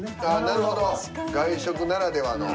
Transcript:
なるほど外食ならではの。